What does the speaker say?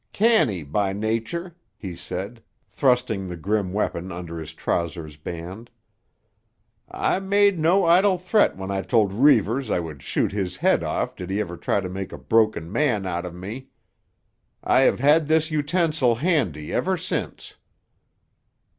"Canny by nature!" he said; thrusting the grim weapon under his trousers band. "I made no idle threat when I told Reivers I would shoot his head off did he ever try to make a broken man out of me. I have had this utensil handy ever since."